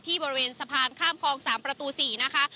บริเวณสะพานข้ามคลอง๓ประตู๔นะคะ